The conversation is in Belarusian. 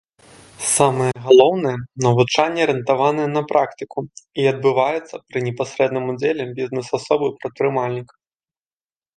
Самае галоўнае, навучанне арыентаванае на практыку і адбываецца пры непасрэдным удзеле бізнэс-асоб і прадпрымальнікаў.